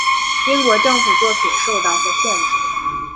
英国政府作品受到或限制。